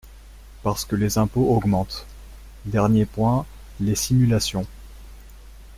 Parce que les impôts augmentent ! Dernier point, les simulations.